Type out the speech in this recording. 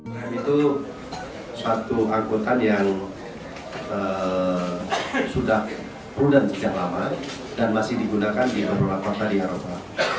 krem itu satu angkutan yang sudah prudent sejak lama dan masih digunakan di beberapa kota di eropa